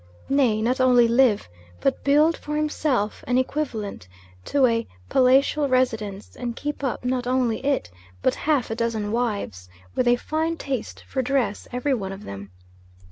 Nay, not only live, but build for himself an equivalent to a palatial residence, and keep up, not only it, but half a dozen wives, with a fine taste for dress every one of them.